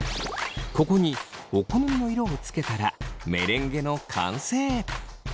ここにお好みの色をつけたらメレンゲの完成！